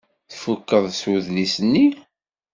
Tfukkeḍ s udlis-nni?